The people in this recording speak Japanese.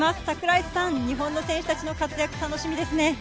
櫻井さん、日本の選手たちの活躍、楽しみですね。